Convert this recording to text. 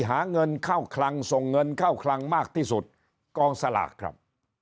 หาเงินเข้าคลังส่งเงินเข้าคลังมากที่สุดกองสลากครับ